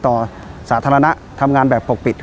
ต่อสาธารณะทำงานแบบปกปิด